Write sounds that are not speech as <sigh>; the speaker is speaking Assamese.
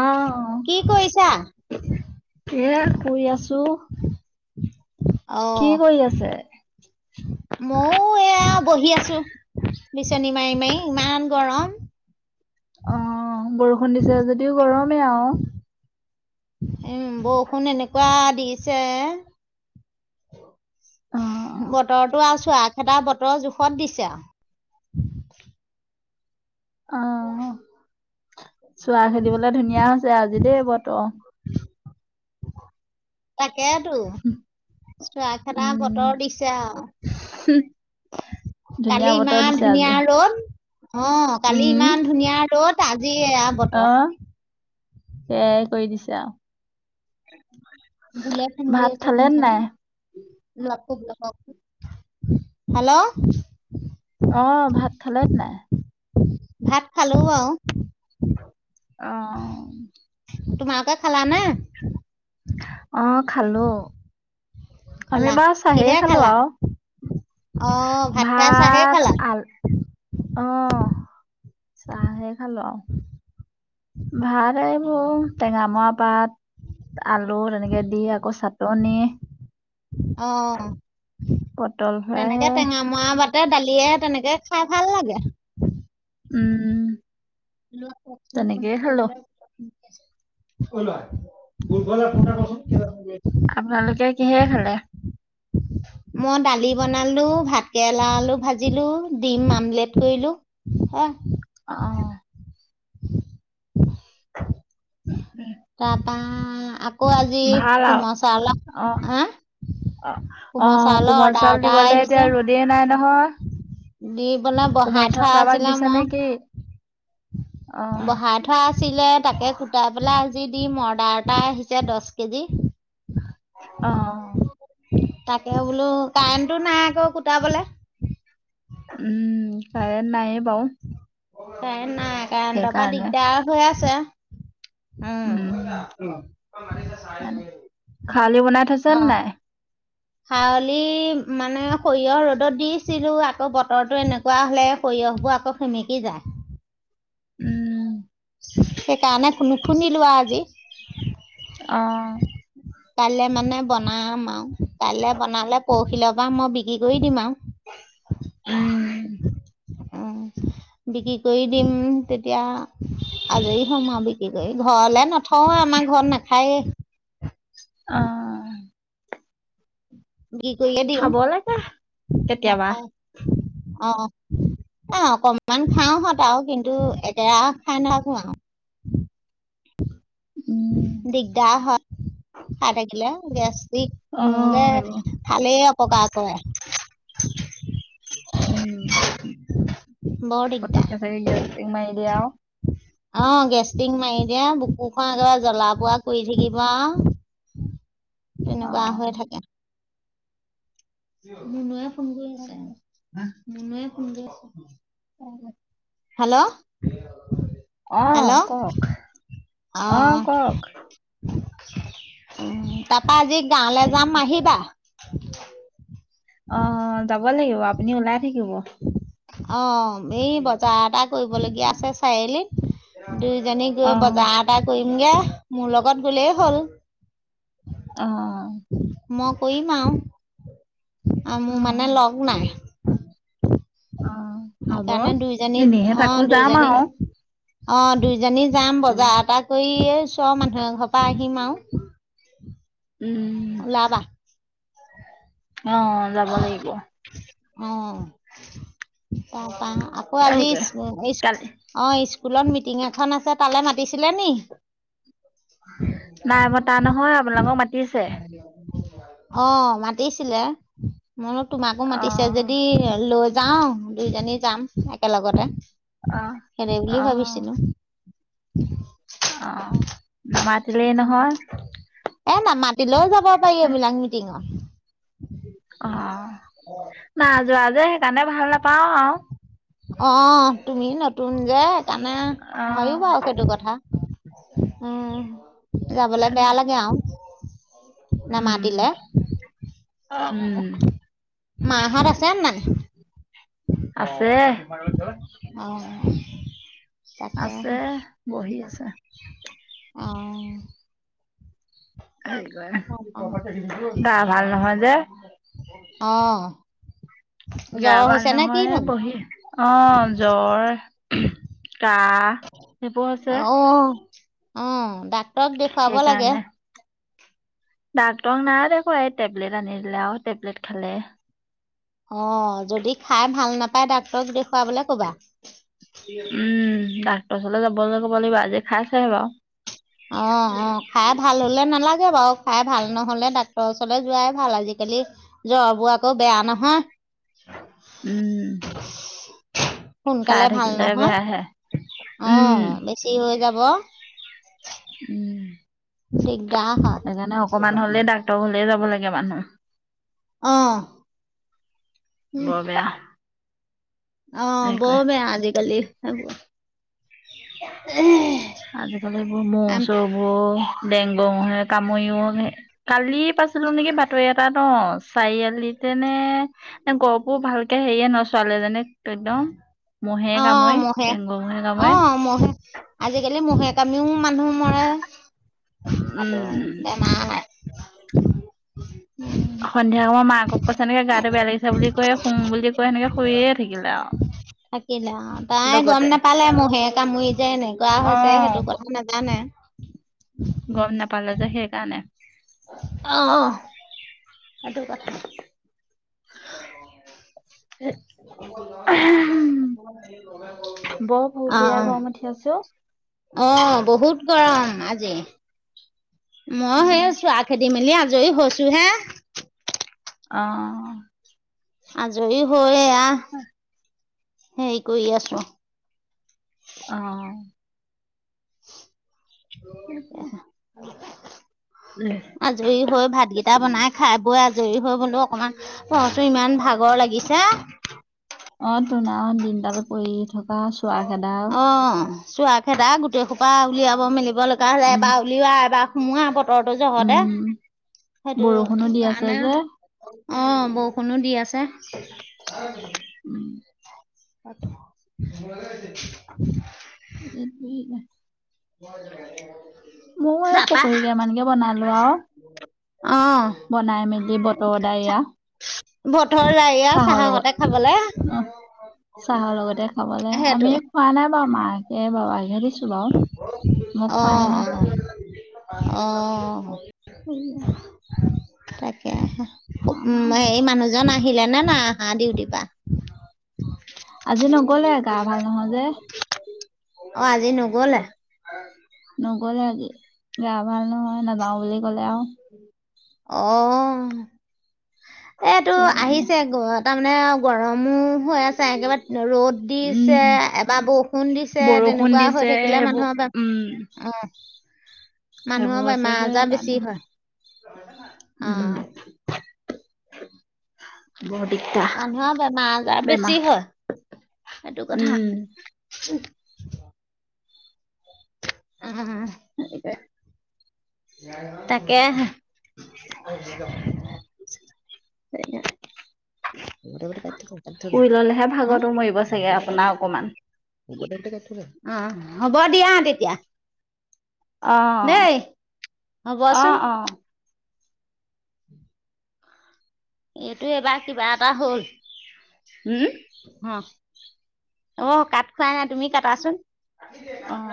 অহ কি কৰিছা? এ শুই আছো কি কৰি আছে মই এয়া বহি আছো বিচনী মাই মাই ইমান গৰম অ বৰষুণ দিছে যদিও গৰমেই আও উম বৰষুণ এনেকোৱা দিছে <unintelligible> আহ বতৰটো আৰু চোৱা খেদা বতৰ জোখত দিছে আও অহ আহ চোৱা খেদিবলে ধুনীয়া হৈছে আ আজি দেই বত তাকেইতো চোৱা খেদা উম বতৰ দিছে আও ধুনীয়া কালি বতৰ ইমান দিছে ধুনীয়া আজি ৰ'দ অ কালি উম ইমান ধুনীয়া ৰদ আজি এয়া অ বতৰ সেয়াই কৰি দিছে আও বোলে ভাত খালে নে নাই <unintelligible> হেল্ল' অঁ ভাত খালে নাই? ভাত খালো আও। অ তোমাৰলোকে খালানে? অঁ খালো। আমি খালা, বাৰু চাহেই কিহে খালো খালা? আও। অ', খাই চাহে ভাত খালা? আ অ চাহে খালো আৰু। ভালেই এইবোৰ টেঙামৰা পাত। আলু তেনেকে দি আকৌ চাটনি- অঁ পটল তেনেকে ফ্ৰাইহে টেঙা মৰা- তা'তে দালিয়া তেনেকে খাই ভাল লাগে। উম'উম। <unintelligible> সেই তো হয়। আপোনালোকে কিহে খালে? <unintelligible> মই দালি বনালো ভাত কেৰেলা আলু ভাজি বনালো ডিম আমলেট কৰিলো। উম অঁ তাৰপা- আকৌ আজি ভাল কোমল চাউল। হাঁ? অঁ অঁ কোমল চাউল দিবলে এতিয়া আহিছে। ৰ'দেই নাই দি পেলাই নহয়। বহাই কোমল চাউল থোৱা কাৰোবাক আছিলে দিছা মই নে'কি? অ বহাই থোৱা আছিলে তাকে কুটাই পেলাই আজি দি মৰ- বাৰতা আহিছে দ'হ কেজি। অঁ তাকে বোলো কাৰেণ্টটো নাই আকৌ কুটাবলে। উম 'কাৰেণ্ট নাই বাৰু। কাৰেণ্ট নাই কাৰেণ্টৰ পৰা সেইকাৰণে দিগদাৰ হৈ আছে। উম খাৱলি বনাই থৈছে নে নাই? খাৱলি মানে সৰিয়হ ৰ'দত দিছিলো আকৌ বতৰটো এনেকুৱা হলে সৰিয়হ- বোৰ আকৌ সেমেকি যায়। উম। সেইকাৰণে নুশুনিলোঁ আজি। অঁ কাইলৈ মানে বনাম আৰু কাইলৈ বনালে পৰহিলৰ পৰা মই বিক্ৰী কৰি দিম আৰু। হয়। উম উম বিক্ৰী কৰি দিম। তেতিয়া- আজৰি হম আৰু বিক্ৰী কৰি ঘৰলে নথওঁ আমাৰ ঘৰত নাখায়ে। অঁ কি কৰিয়ে লাগে দিম। কেতিয়াবা অঁ অঁহ। অকণমান খাওঁ হত আৰু। কিন্তু একে ৰাহে খাই নেথাকো। কোৱা? উম দিগদাৰ হয় একেৰাহে খাই থাকিলে অ গেছ- এইবোৰ হয় খালেই অপকাৰ কৰে। উম। বৰ দিগদাৰ পটকৈ গেছটিক মাৰি দিয়ে আৰু। অ গেছটিক মাৰি দিয়ক আৰু বুকুখন একেবাৰে জ্বলা পোৱা কৰি থাকিব আৰু। তেনেকুৱা হৈ অ'। থাকে। ফোন কৰি আছে মুনুয়ে ফোন কৰি আছে? অ হয়। হেল্ল' অ হেল্ল' কওক অ কওক। উম তাপা আজি গাঁৱলে যাম আহিবা? অ যাব লাগিব আপুনি ওলাই থাকিব? অ এই বজাৰ এটা কৰিবলগীয়া আছে চাৰি আলিত? দুইজনীক অ', গৈ বজাৰ এটা কৰিম গে মোৰ লগত গলেই হ'ল। অ অ মই কৰিম আওঁ। আ মোৰ মানে লগ নাই। অ', হ'ব সেকাৰণে দুইজনী এনেহে অ থাকো যাম দুইজনী আৰু অ দুইজনী যাম উম, বজাৰ এটা কৰিয়ে এ ওচৰ মানুহ এঘৰৰ পাৰ আহিম আৰু উম, ওলাবা অ যাব লাগিব অ তাপা আকৌ আজি তাকে ইচ ইচ কালি অ ইচ স্কুলত মিটিং এখন আছে তালে মাতিছিলে নি নাই মতা নহয় আপোনালোকক মাতিছে অ মাতিছিলে মই তোমাকো মাতিছে অ', যদি লৈ যাও দুইজনী যাম একেলগতে। অ', সেদে বুলি অ', ভাবিছিলো। অ নামাতিলেই নহয়। এ নামাতিলৈও যাব পাৰি এইবিলাক মিটিংত। অ না যোৱা যে সেইকাৰণে ভাল নাপাও আৰু অ তুমি নতুন যে সেইকাৰণে হয়য়ো অ' বাৰু সেইটো কথা। উম যাবলে বেয়া এনে লাগে আও। উম, নামাতিলে। উম। মা হত আছে নাই। আছে। অ তাকে আছে বহি আছে। অ। তাৰপা গা ভাল নহয় যে। অ গা জ্বৰ ভাল হৈছে নে নহয় কিনো বহি অ জ্বৰ। কাহ সেইবোৰ আছে। অ অ ডাক্তৰক দেখুৱাব লাগে। ডাক্তৰক নাই দেখোৱা এই টেবলেট আনি দিলে আৰু টেবলেট খালে। অ যদি খাই ভাল নাপায় ডাক্তৰক দেখোৱা উম ডাক্তৰ ওচৰলৈ যাবলৈ ক'ব লাগিব আজি খাই চেহে বাৰু। অ অ খাই ভাল হলে নালাগে বাও। খাই ভাল নহ'লে ডাক্তৰৰ ওচৰলৈ যোৱাই ভাল আজিকালি জ্বৰবোৰ আকৌ বেয়া নহয়। উম। সোনকালে চাই ভাল থাকিলে নহয় বেয়াহে অ উম, বেছি হৈ যাব। উম। দিগদাৰ হয়। সেইকাৰণে অকমান হলে ডাক্তৰ ঘৰলে যাব লাগে মানুহ। অ। উম, বৰ বেয়া। অ হেৰি বৰ কৰে বেয়া আজিকালি সেইবো। আজিকালি এইবোৰ মহ চহবোৰৰ। ডেংগ মহে কামুৰিও কালি পাইছো নেকি বাতৰি এটাত অ চাৰিআলিত। তেনে কৰপো ভালকে হেৰিয়ে নচোৱালে জনিক। আকডম মহে অ', কামৰি মহে ডেগ মহে কামোৰি। অ', মহে আজিকালি মহে কামিও মানুহ মৰে তাতো উম বেমাৰ। <inaudible> সন্ধিয়া সময় মাকক কৈছে সেনেকে গাটো বেয়া লিছে বুলি কয় শুম বুলি কয় সেনেকে হৈয়ে থাকিলে আৰু। অ। থাকিলে অ তাই গম নাপালে মহে কামুৰি যে এনেকুৱা অ হৈছে সেইটো কথা নাজানে। গম নাপালো যে সেইকাৰণে। অ সেইটো কথা। অ বৰ পুৰপুৰীয়া অ গৰম উঠি আছে অ। অ বহুত গৰম আজি। মই সেই চোৱা খেদি মেলি আজৰি হৈছো হে অ আজৰি হয় এ উম সেই কৰি আছো। অ <unintelligible> আজৰি হৈ ভাতকেইটা বনাই খাই বৈ আ জৰী হৈ বলো অকমান পঢ়টো ইমান ভাগৰ লাগিছে। অ তোন আ দিনডাল পৰি থকা চোৱা খেদা অ', চোৱা খেদা গোটেই সোপা উলিয়াব মেলিব লগা উম, এবাৰ উলওৱ এবাৰ সোমোৱা তহটৰ যহতে উম। সেইটো বৰষুণো দি আছে কাৰণে যে, অ বৰষুণো দি আছে। <inaudible> উম <inaudible> হুম এ মই যেনেকে মোৰ এই পকৰী কে মানকে বনালো আৰু অ', বনাই মেলি- দি বতৰ ডাৱৰীয়া থৰ লায়া আ চাহ চাহৰ লগত। সতে খাবলে- অ, চাহৰ লগতে খাবলে সেইটো আমি খোৱা নাই বাউ মা এ বাও আনি দিছো বাও মোক খোৱাইে অ', নাই। অ'। অ <inaudible> তাকে খাম উম আও। এই মানুহজন আহিলে নে নাই আহা ডিউটি পা আজি মোৰ নগ'লে গা মোৰোৰত ভাল নহয় যে। যে অ আজি নগ'লে? নগলে আজি গা ভাল নহয় নযাওঁ বুলি ক'লে আও- অ এইটো সেইকাৰণে আহিছে গ তাৰমানে গৰম- মোহ হৈ আছে একেবাৰে ৰ'দ দিছে উম এবাৰ বৰষুণ দিছে বৰষুণ তেনেকুৱা দিছে হৈ থাকিলে। সেইবোৰ মানুহৰ বেমাৰ উম অ সেইবোৰ মানুহৰ হৈছে বেমাৰ যে আজাৰ বেছি সেইকাৰণে হয়। অ উম বৰ দিগদাৰ মানুহৰ বেমাৰ আজাৰ বেমাৰ বেছি হয়। সেইটো কথা উম উম গতিকে তাকেহে- কাটি থাকক কাটি থাকক শুই ললেহে ভাগৰটো হম- মৰিব চাগে আপোনাৰ অকমান অ অ হ'ব দিয়া তেতিয়া। অ দেই অ বচোন এইটো এবাৰ কিবা এটা হ'ল- হম অ অ কাত খুৱাই নাই তুমি কটাচোন অ